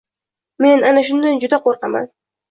Men ana shundan juda qo‘rqaman.